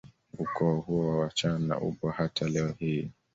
Ukoo huo wa washana upo hata leo hii